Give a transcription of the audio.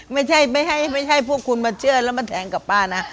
ไม่ใช่ไม่ใช่พวกคุณมาเชื่อแล้วมาแทงกับป้านะ